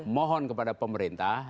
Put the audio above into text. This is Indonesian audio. mohon kepada pemerintah